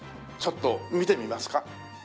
ちょっと見てみますか。